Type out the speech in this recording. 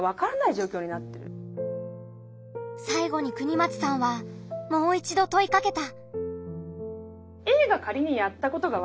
さいごに國松さんはもう一度問いかけた。